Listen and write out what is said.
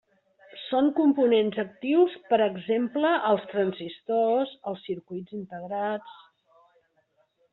Són components actius per exemple: els transistors, els circuits integrats.